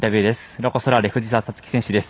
ロコ・ソラーレ藤澤五月選手です。